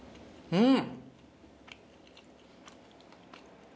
うん！